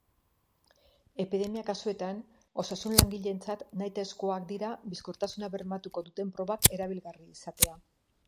Epidemia kasuetan, osasun langileentzat nahitaezkoak dira bizkortasuna bermatuko duten probak erabilgarri izatea.